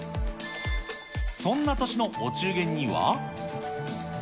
そんな年のお中元には。